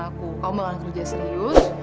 kamu kan udah kerja serius